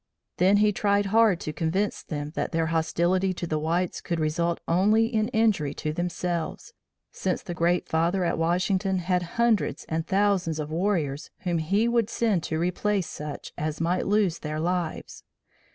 Then he tried hard to convince them that their hostility to the whites could result only in injury to themselves, since the Great Father at Washington had hundreds and thousands of warriors whom he would send to replace such as might lose their lives.